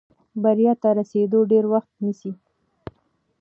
بریا ته رسېدل ډېر وخت نیسي.